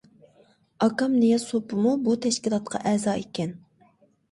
ئاكام نىياز سوپىمۇ بۇ تەشكىلاتقا ئەزا ئىكەن.